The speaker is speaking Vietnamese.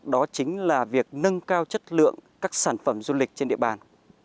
đó chính là việc nâng cao chất lượng các sản phẩm du lịch trên địa bàn